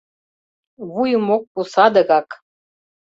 Вуйым ок пу садыгак!